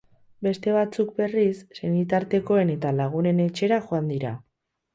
Beste batzuk, berriz, senitartekoen eta lagunen etxera joan dira.